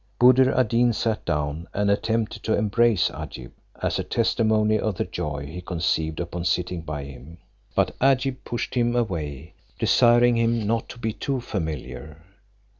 Buddir ad Deen sat down, and attempted to embrace Agib, as a testimony of the joy he conceived upon sitting by him. But Agib pushed him away, desiring him not to be too familiar.